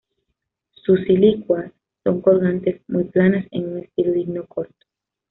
Su silicuas son colgantes, muy planas, en un estilo digno corto.